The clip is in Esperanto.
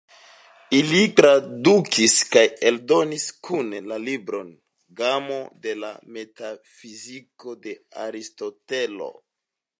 Ili tradukis kaj eldonis kune la libron "Gamo de la metafiziko" de Aristotelo.